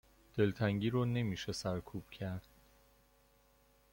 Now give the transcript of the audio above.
دلتنگی رو نمی شه سرکوب کرد